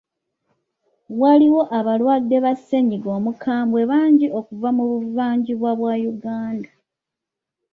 Waaliwo abalwadde ba ssennyiga omukambwe bangi okuva mu buvanjuba bwa Uganda.